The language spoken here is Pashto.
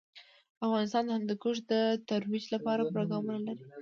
افغانستان د هندوکش د ترویج لپاره پروګرامونه لري.